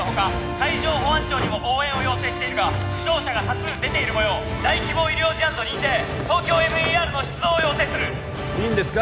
海上保安庁にも応援を要請しているが負傷者が多数出ているもよう大規模医療事案と認定ＴＯＫＹＯＭＥＲの出動を要請するいいんですか？